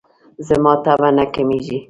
زما تبه نه کمیږي.